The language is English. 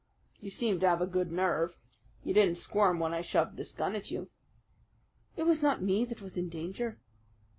"You seem to have a good nerve. You didn't squirm when I shoved this gun at you." "It was not me that was in danger."